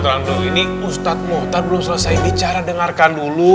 ini ustadz muhtar belum selesai bicara dengarkan dulu